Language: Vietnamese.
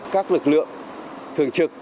các lực lượng thường truyền